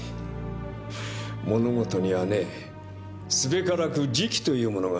物事にはねすべからく時期というものがある。